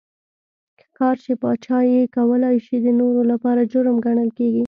ښکار چې پاچا یې کولای شي د نورو لپاره جرم ګڼل کېږي.